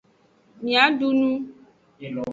Mia du nu.